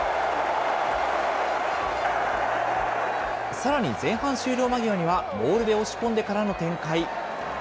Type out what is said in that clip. さらに前半終了間際には、モールで押し込んでからの展開。